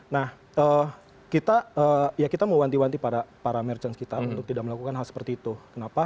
nah kita ya kita mewanti wanti para merchant kita untuk tidak melakukan hal seperti itu kenapa